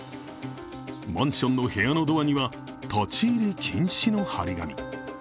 マンションの部屋のドアには立入禁止の貼り紙。